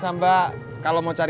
gak pake tangan